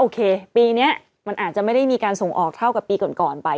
ปีนี้มันอาจจะไม่ได้มีการส่งออกเท่ากับปีก่อนไป